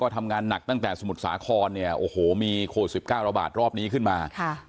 ทำงานหนักตั้งแต่สมุทรสาครเนี่ยโอ้โหมีโควิด๑๙ระบาดรอบนี้ขึ้นมา